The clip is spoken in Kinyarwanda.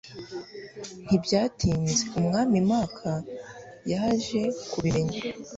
Ntibyatinze umwami Mark yaje kubimenya